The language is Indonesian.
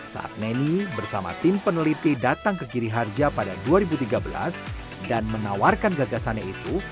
saat neni bersama tim peneliti datang ke giri harja pada dua ribu tiga belas dan menawarkan gagasannya itu